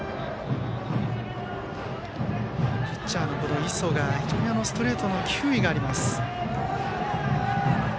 ピッチャーの磯が非常にストレートの球威があります。